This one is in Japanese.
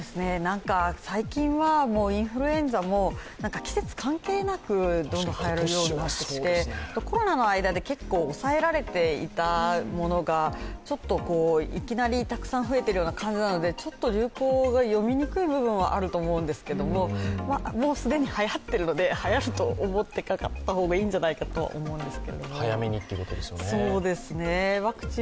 最近はインフルエンザも季節、関係なくどんどんはやるようになってましてコロナの間で結構抑えられていたものがちょっといきなりたくさん増えてるような感じなので流行が読みにくい部分はあると思うんですけどもう既にはやっているのではやると思ってかかった方がいいかなと思います。